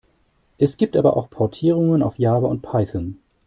Es gibt aber auch Portierungen auf Java und Python.